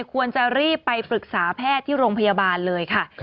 ควรจะรีบไปปรึกษาแพทย์ที่โรงพยาบาลเลยค่ะ